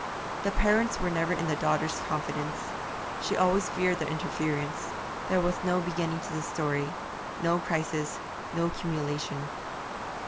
The parents were never in the daughter's confidence. She always feared their interference. There was no beginning to the story, no crisis, no culmination.